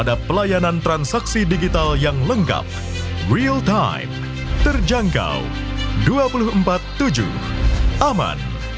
ada pelayanan transaksi digital yang lengkap real time terjangkau dua puluh empat tujuh aman